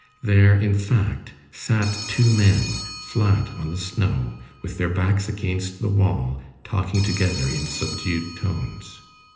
There, in fact, sat two men, flat on the snow, with their backs against the wall, talking together in subdued tones.